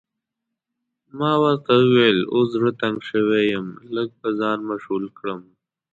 ما ورته وویل اوس زړه تنګ شوی یم، لږ به ځان مشغول کړم.